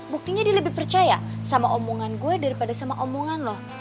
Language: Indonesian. buktinya dia lebih percaya sama omongan gue daripada sama omongan loh